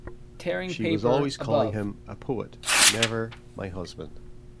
She was always calling him 'a poet', never - 'my husband'.